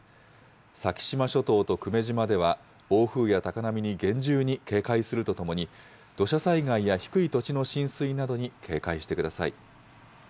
先島諸島と久米島では暴風や高波に厳重に警戒するとともに、土砂災害や低い土地の浸水などに警戒してください。